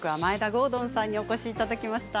郷敦さんにお越しいただきました。